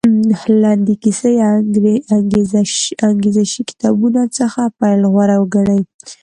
لنډې کیسې یا انګېزه شي کتابونو څخه پیل غوره وګڼي.